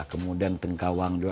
kemudian tengkawang juga